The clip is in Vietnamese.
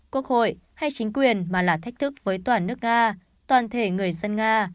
quốc hội hay chính quyền mà là thách thức với toàn nước nga toàn thể người dân nga